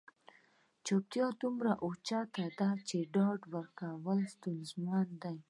چوپتیا دومره اوچته ده چې ډاډ ورکول ستونزمن دي.